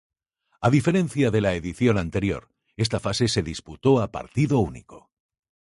A diferencia de la edición anterior, esta fase se disputó a partido único.